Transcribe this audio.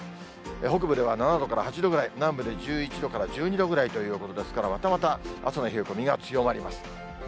北部では７度から８度ぐらい、南部で１１度から１２度ぐらいということですから、またまた朝の冷え込みが強まります。